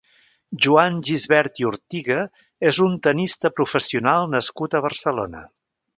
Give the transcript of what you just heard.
Joan Gisbert i Ortiga és un tennista professional nascut a Barcelona.